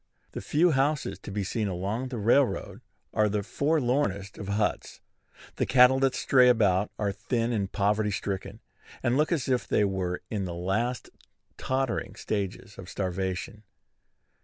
The few houses to be seen along the railroad are the forlornest of huts. The cattle that stray about are thin and poverty stricken, and look as if they were in the last tottering stages of starvation.